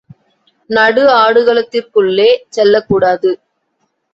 நடு ஆடுகளத்திற்குள்ளே செல்லக்கூடாது.